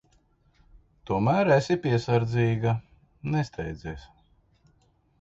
Tomēr esi piesardzīga. Nesteidzies.